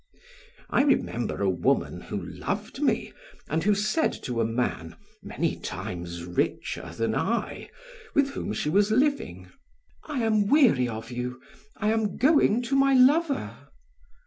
I remember a woman who loved me and who said to a man many times richer than I with whom she was living: "I am weary of you, I am going to my lover."